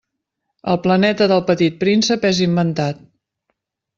El planeta del Petit Príncep és inventat.